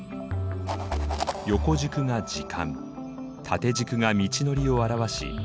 横軸が時間縦軸が道のりを表し